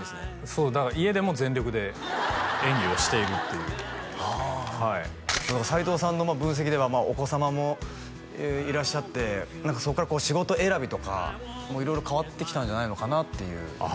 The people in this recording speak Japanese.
そうだから家でも全力で演技をしているっていうはあはい斎藤さんの分析ではお子様もいらっしゃって何かそこから仕事選びとかも色々変わってきたんじゃないのかなっていうあ